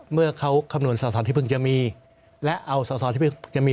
เมื่อเขาคำนวณสอสอที่เพิ่งจะมีและเอาสอสอที่เพิ่งจะมี